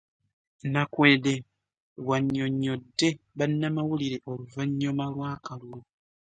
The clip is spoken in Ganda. Nakweede bw'annyonnyodde bannamawulire oluvannyuma lw'akalulu